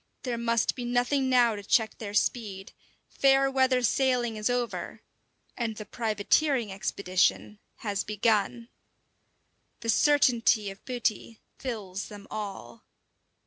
There must be nothing now to check their speed; fair weather sailing is over, and the privateering expedition has begun. The certainty of booty fills them all.